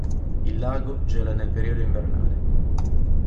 Il lago gela nel periodo invernale.